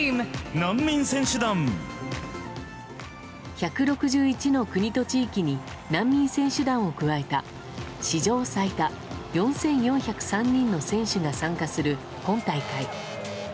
１６１の国と地域に難民選手団を加えた史上最多、４４０３人の選手が参加する今大会。